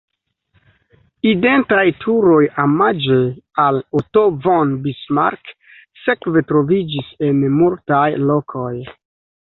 Identaj turoj omaĝe al Otto von Bismarck sekve troviĝis en multaj lokoj.